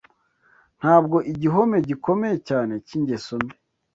Ntabwo igihome gikomeye cyane cy’ingeso mbi